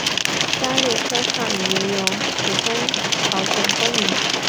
该列车上也有普通朝鲜公民。